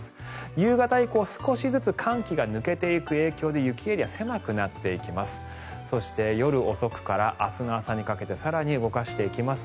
夕方以降少しずつ寒気が抜けていく影響で雪エリア、狭くなっていきます。